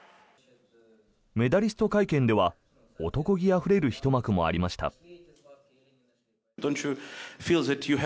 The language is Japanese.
メダリスト会見では男気あふれるひと幕もありました。